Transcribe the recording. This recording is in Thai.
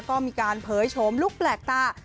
ก็มีการเผยโฉมลุคแปลกตา